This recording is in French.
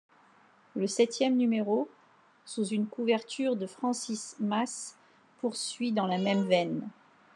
Le septième numéro, sous une couverture de Francis Masse poursuit dans la même veine.